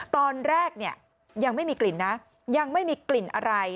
ตอนแรกเนี่ยยังไม่มีกลิ่นนะยังไม่มีกลิ่นอะไร